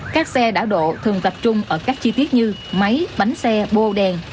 các xe đảo độ thường tập trung ở các chi tiết như máy bánh xe bô đèn